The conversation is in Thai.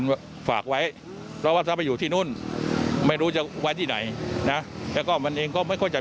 นายวุฒินัลวิ่งเข้าไปที่วัดสุวรรณารามไปขอให้พระโทรหาผู้ใหญ่บ้าน